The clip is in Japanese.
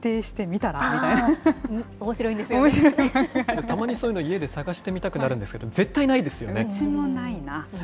たまにそういうの家で探してみたくなるんですけれども、絶対うちもないな。